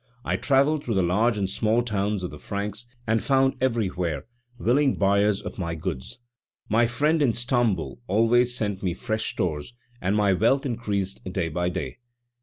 I travelled through the large and small towns of the Franks, and found everywhere willing buyers of my goods. My friend in Stamboul always sent me fresh stores, and my wealth increased day by day.